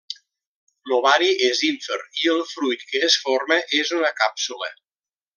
L'ovari és ínfer i el fruit que es forma és una càpsula.